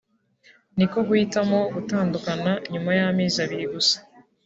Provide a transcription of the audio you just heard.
niko guhitamo gutandukana nyuma y’ amezi abiri gusa